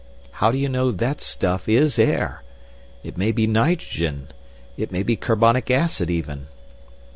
How do you know that stuff is air? It may be nitrogen—it may be carbonic acid even!"